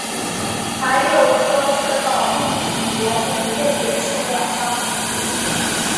还有说是保护自己脖子不被野兽咬伤。